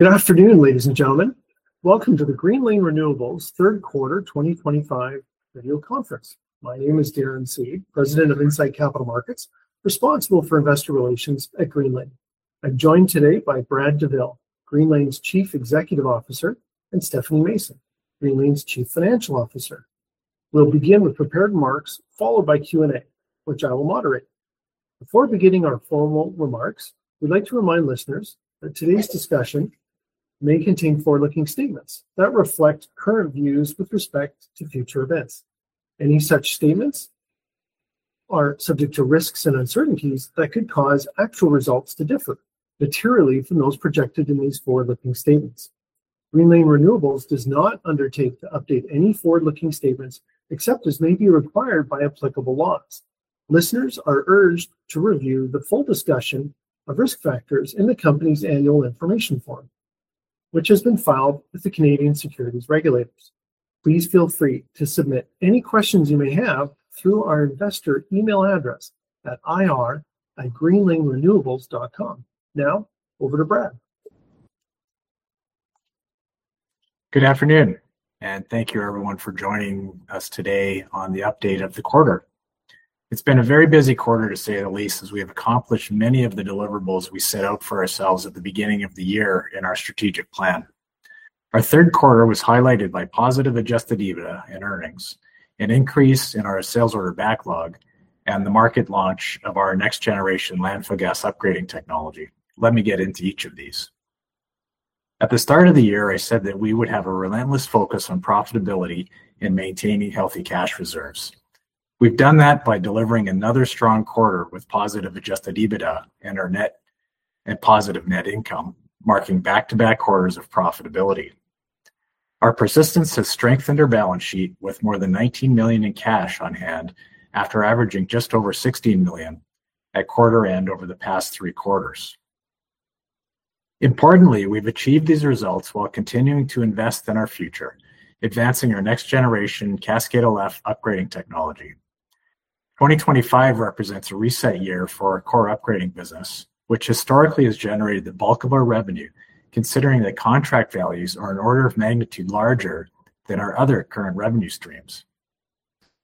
Good afternoon, ladies and gentlemen. Welcome to the Greenlane Renewables third quarter 2025 video conference. My name is Darren Seed, President of Insight Capital Markets, responsible for investor relations at Greenlane. I'm joined today by Brad Douville, Greenlane's Chief Executive Officer, and Stephanie Mason, Greenlane's Chief Financial Officer. We'll begin with prepared remarks, followed by Q&A, which I will moderate. Before beginning our formal remarks, we'd like to remind listeners that today's discussion may contain forward-looking statements that reflect current views with respect to future events. Any such statements are subject to risks and uncertainties that could cause actual results to differ materially from those projected in these forward-looking statements. Greenlane Renewables does not undertake to update any forward-looking statements except as may be required by applicable laws. Listeners are urged to review the full discussion of risk factors in the company's annual information form, which has been filed with the Canadian securities regulators. Please feel free to submit any questions you may have through our investor email address at ir@greenlanerenewables.com. Now, over to Brad. Good afternoon, and thank you, everyone, for joining us today on the update of the quarter. It's been a very busy quarter, to say the least, as we have accomplished many of the deliverables we set out for ourselves at the beginning of the year in our strategic plan. Our third quarter was highlighted by positive adjusted EBITDA and earnings, an increase in our sales order backlog, and the market launch of our next-generation landfill gas upgrading technology. Let me get into each of these. At the start of the year, I said that we would have a relentless focus on profitability and maintaining healthy cash reserves. We've done that by delivering another strong quarter with positive adjusted EBITDA and our net and positive net income, marking back-to-back quarters of profitability. Our persistence has strengthened our balance sheet with more than 19 million in cash on hand after averaging just over 16 million at quarter-end over the past three quarters. Importantly, we've achieved these results while continuing to invest in our future, advancing our next-generation Cascade LF upgrading technology. 2025 represents a reset year for our core upgrading business, which historically has generated the bulk of our revenue, considering that contract values are an order of magnitude larger than our other current revenue streams.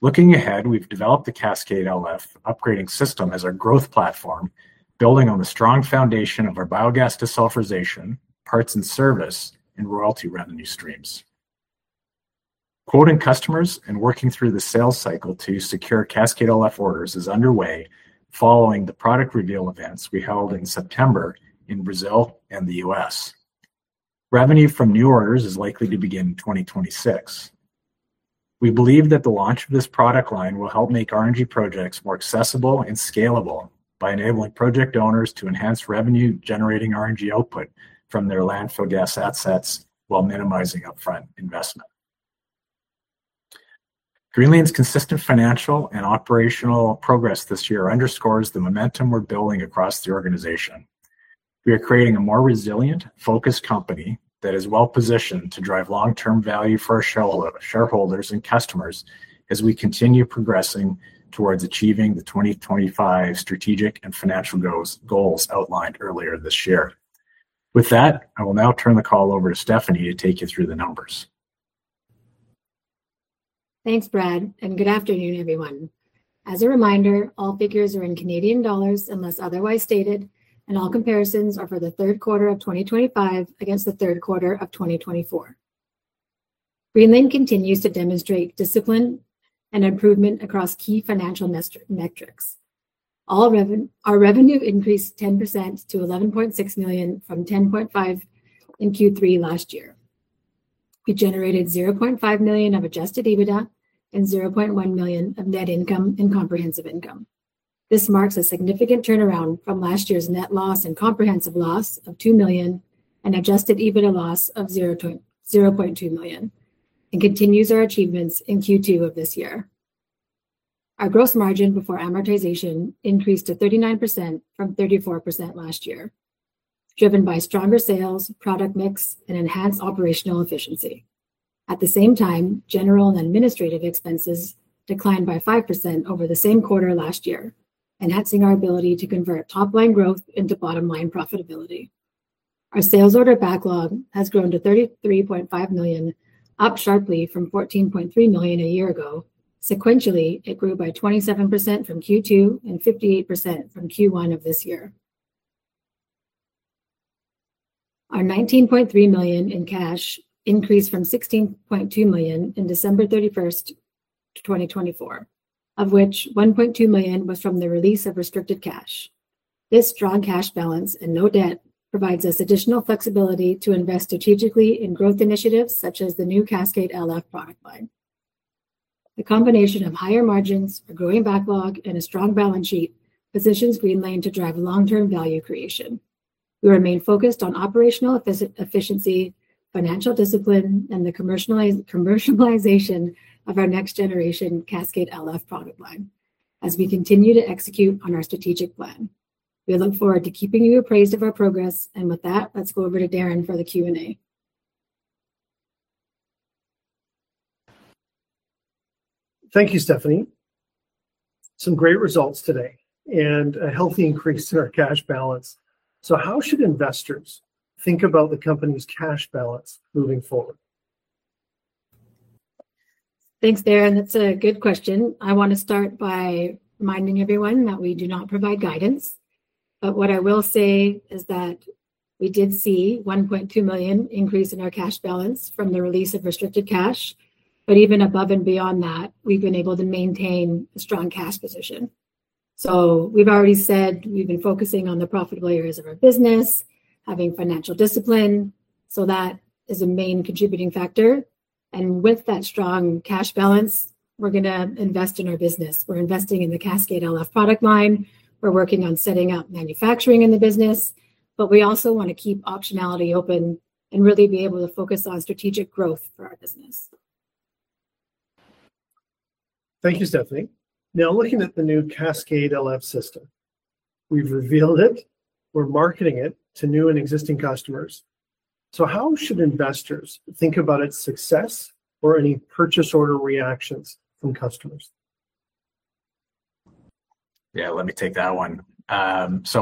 Looking ahead, we've developed the Cascade LF upgrading system as our growth platform, building on the strong foundation of our biogas desulfurization, parts and service, and royalty revenue streams. Quoting customers and working through the sales cycle to secure Cascade LF orders is underway, following the product reveal events we held in September in Brazil and the U.S. Revenue from new orders is likely to begin in 2026. We believe that the launch of this product line will help make RNG projects more accessible and scalable by enabling project owners to enhance revenue-generating RNG output from their landfill gas assets while minimizing upfront investment. Greenlane's consistent financial and operational progress this year underscores the momentum we're building across the organization. We are creating a more resilient, focused company that is well-positioned to drive long-term value for our shareholders and customers as we continue progressing towards achieving the 2025 strategic and financial goals outlined earlier this year. With that, I will now turn the call over to Stephanie to take you through the numbers. Thanks, Brad, and good afternoon, everyone. As a reminder, all figures are in canadian dollars unless otherwise stated, and all comparisons are for the third quarter of 2025 against the third quarter of 2024. Greenlane continues to demonstrate discipline and improvement across key financial metrics. Our revenue increased 10% to 11.6 million from 10.5 million in Q3 last year. We generated 0.5 million of adjusted EBITDA and 0.1 million of net income and comprehensive income. This marks a significant turnaround from last year's net loss and comprehensive loss of 2 million and adjusted EBITDA loss of 0.2 million and continues our achievements in Q2 of this year. Our gross margin before amortization increased to 39% from 34% last year, driven by stronger sales, product mix, and enhanced operational efficiency. At the same time, general and administrative expenses declined by 5% over the same quarter last year, enhancing our ability to convert top-line growth into bottom-line profitability. Our sales order backlog has grown to 33.5 million, up sharply from 14.3 million a year ago. Sequentially, it grew by 27% from Q2 and 58% from Q1 of this year. Our 19.3 million in cash increased from 16.2 million on December 31, 2024, of which 1.2 million was from the release of restricted cash. This strong cash balance and no debt provides us additional flexibility to invest strategically in growth initiatives such as the new Cascade LF product line. The combination of higher margins, a growing backlog, and a strong balance sheet positions Greenlane Renewables to drive long-term value creation. We remain focused on operational efficiency, financial discipline, and the commercialization of our next-generation Cascade LF product line as we continue to execute on our strategic plan. We look forward to keeping you apprised of our progress, and with that, let's go over to Darren for the Q&A. Thank you, Stephanie. Some great results today and a healthy increase in our cash balance. How should investors think about the company's cash balance moving forward? Thanks, Darren. That's a good question. I want to start by reminding everyone that we do not provide guidance, but what I will say is that we did see a 1.2 million increase in our cash balance from the release of restricted cash, but even above and beyond that, we've been able to maintain a strong cash position. We've already said we've been focusing on the profitable areas of our business, having financial discipline. That is a main contributing factor. With that strong cash balance, we're going to invest in our business. We're investing in the Cascade LF product line. We're working on setting up manufacturing in the business, but we also want to keep optionality open and really be able to focus on strategic growth for our business. Thank you, Stephanie. Now, looking at the new Cascade LF system, we've revealed it. We're marketing it to new and existing customers. How should investors think about its success or any purchase order reactions from customers? Yeah, let me take that one.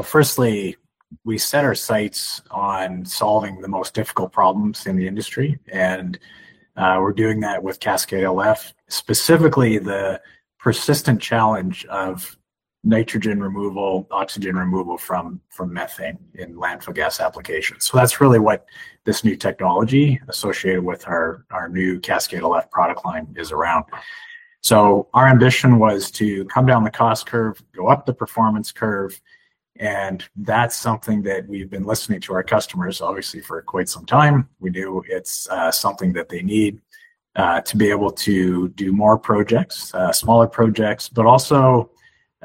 Firstly, we set our sights on solving the most difficult problems in the industry, and we're doing that with Cascade LF, specifically the persistent challenge of nitrogen removal, oxygen removal from methane in landfill gas applications. That's really what this new technology associated with our new Cascade LF product line is around. Our ambition was to come down the cost curve, go up the performance curve, and that's something that we've been listening to our customers, obviously, for quite some time. We knew it's something that they need to be able to do more projects, smaller projects, but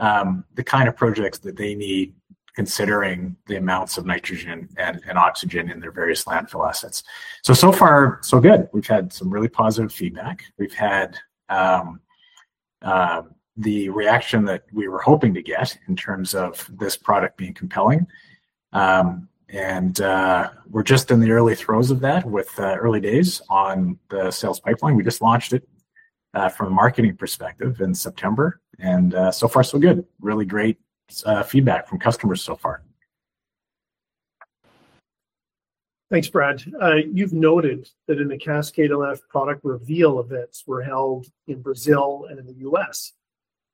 also the kind of projects that they need considering the amounts of nitrogen and oxygen in their various landfill assets. So far, so good. We've had some really positive feedback. We've had the reaction that we were hoping to get in terms of this product being compelling, and we're just in the early throes of that with early days on the sales pipeline. We just launched it from a marketing perspective in September, and so far, so good. Really great feedback from customers so far. Thanks, Brad. You've noted that in the Cascade LF product reveal events were held in Brazil and in the U.S.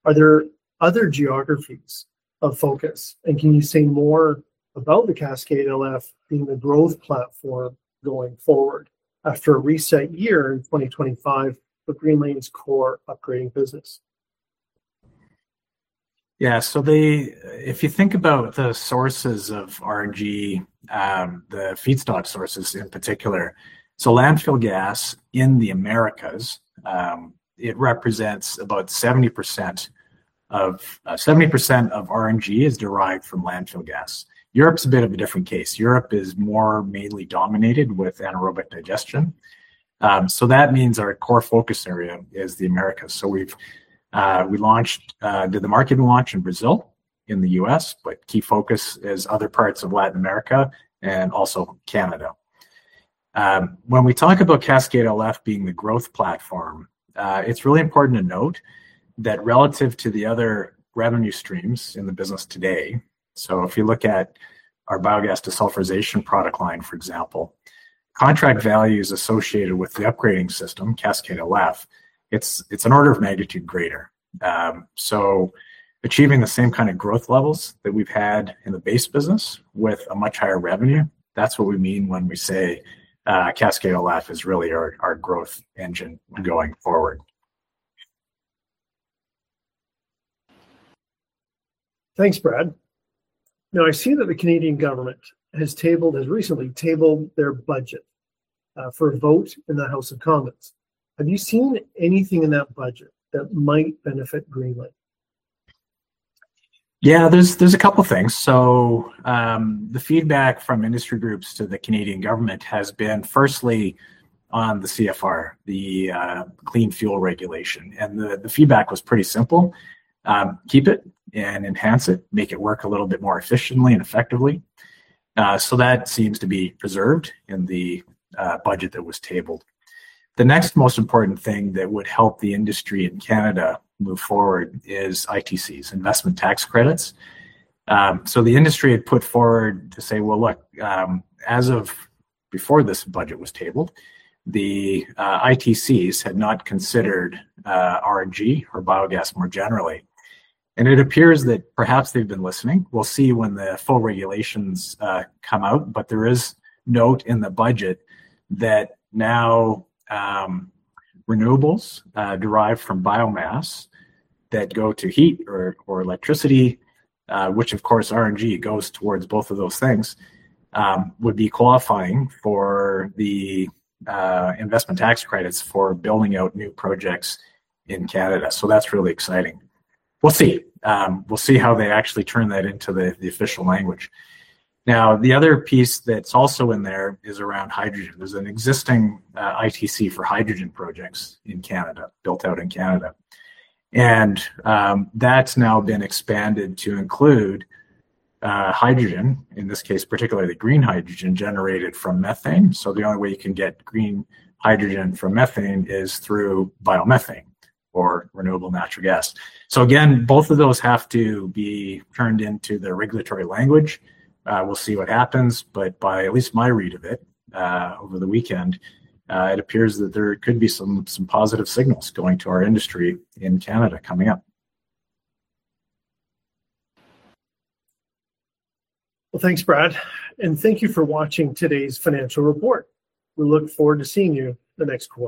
Are there other geographies of focus, and can you say more about the Cascade LF being the growth platform going forward after a reset year in 2025 for Greenlane's core upgrading business? Yeah, so if you think about the sources of RNG, the feedstock sources in particular, landfill gas in the Americas, it represents about 70% of RNG is derived from landfill gas. Europe's a bit of a different case. Europe is more mainly dominated with anaerobic digestion. That means our core focus area is the Americas. We launched the market launch in Brazil, in the U.S., but key focus is other parts of Latin America and also Canada. When we talk about Cascade LF being the growth platform, it's really important to note that relative to the other revenue streams in the business today, if you look at our biogas desulfurization product line, for example, contract values associated with the upgrading system, Cascade LF, it's an order of magnitude greater. Achieving the same kind of growth levels that we've had in the base business with a much higher revenue, that's what we mean when we say Cascade LF is really our growth engine going forward. Thanks, Brad. Now, I see that the Canadian government has recently tabled their budget for a vote in the House of Commons. Have you seen anything in that budget that might benefit Greenlane? Yeah, there's a couple of things. The feedback from industry groups to the Canadian government has been firstly on the CFR, the Clean Fuel Regulation, and the feedback was pretty simple. Keep it and enhance it, make it work a little bit more efficiently and effectively. That seems to be preserved in the budget that was tabled. The next most important thing that would help the industry in Canada move forward is ITCs, investment tax credits. The industry had put forward to say, look, as of before this budget was tabled, the ITCs had not considered RNG or biogas more generally. It appears that perhaps they've been listening. We'll see when the full regulations come out, but there is note in the budget that now renewables derived from biomass that go to heat or electricity, which, of course, RNG goes towards both of those things, would be qualifying for the investment tax credits for building out new projects in Canada. That's really exciting. We'll see how they actually turn that into the official language. The other piece that's also in there is around hydrogen. There's an existing ITC for hydrogen projects in Canada, built out in Canada, and that's now been expanded to include hydrogen, in this case, particularly the green hydrogen generated from methane. The only way you can get green hydrogen from methane is through biomethane or renewable natural gas. Again, both of those have to be turned into the regulatory language. We'll see what happens, but by at least my read of it over the weekend, it appears that there could be some positive signals going to our industry in Canada coming up. Thanks, Brad, and thank you for watching today's financial report. We look forward to seeing you the next quarter.